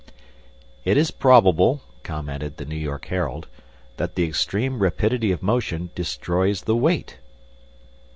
"It is probable," commented the New York Herald, "that the extreme rapidity of motion destroys the weight."